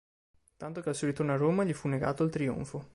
Tanto che al suo ritorno a Roma, gli fu negato il trionfo.